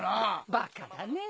バカだねぇ。